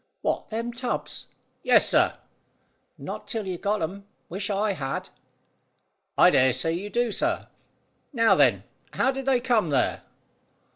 "What, them tubs?" "Yes, sir." "Not till you got 'em. Wish I had!" "I dare say you do, sir. Now, then: how did they come there?"